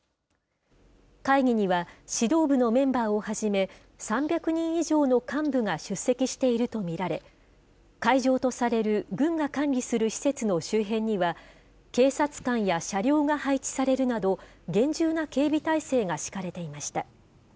会議には、指導部のメンバーをはじめ、３００人以上の幹部が出席していると見られ、会場とされる軍が管理する施設の周辺には、警察官や車両が配置されるなど、厳重な警備態勢が敷かれていました。